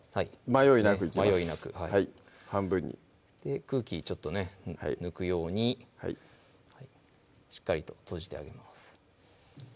迷いなく半分に空気ちょっとね抜くようにしっかりと閉じてあげます